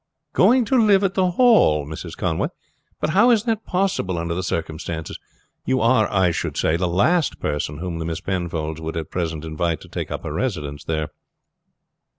"Going to live at the Hall, Mrs. Conway! But how is that possible under the circumstances? You are, I should say, the last person whom the Miss Penfolds would at present invite to take up her residence there."